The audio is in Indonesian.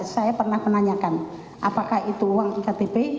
saya pernah menanyakan apakah itu uang iktp